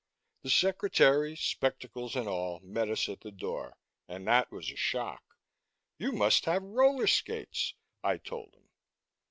The secretary, spectacles and all, met us at the door and that was a shock. "You must have roller skates," I told him.